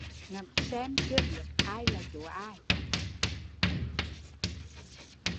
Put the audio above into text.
Ngẫm xem chưa biết ai là chúa ai